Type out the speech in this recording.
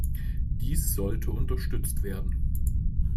Dies sollte unterstützt werden.